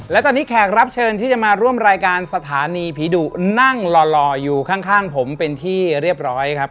และตอนนี้แขกรับเชิญที่จะมาร่วมรายการสถานีผีดุนั่งหล่ออยู่ข้างผมเป็นที่เรียบร้อยครับ